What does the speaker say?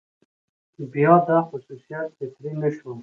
بيا دا خصوصيت فطري نه شو،